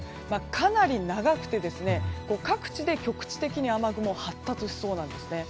かなり長くて各地で局地的に雨雲が発達しそうなんですね。